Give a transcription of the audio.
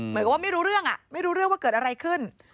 เหมือนกับว่าไม่รู้เรื่องไม่รู้เรื่องว่าเกิดอะไรขึ้น